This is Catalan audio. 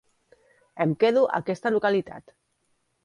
Em quedo aquesta localitat.